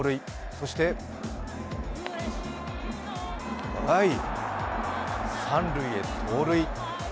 そして、はい、三塁へ盗塁。